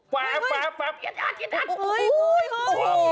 แหละแหละแหละอัดอุ้ยอ้าว